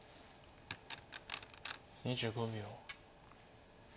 ２５秒。